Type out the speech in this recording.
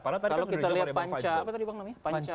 kalau kita lihat panca apa tadi bang namanya panca